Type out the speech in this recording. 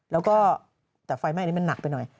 แล้วก็แต่ไฟไหม้อันนี้มันหนักไปหน่อย